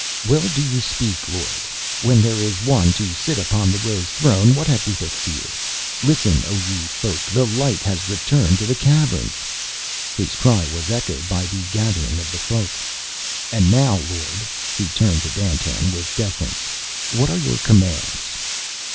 "Well do you speak, Lord. When there is one to sit upon the Rose Throne, what have we to fear? Listen, O ye Folk, the Light has returned to the Caverns!" His cry was echoed by the gathering of the Folk. "And now, Lord " he turned to Dandtan with deference "what are your commands?"